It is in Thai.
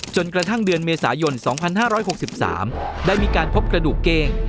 จนกระทั่งเดือนเมษายน๒๕๖๓ได้มีการพบกระดูกเก้ง